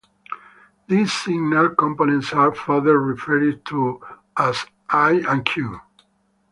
These signal components are further referred to as "I" and "Q".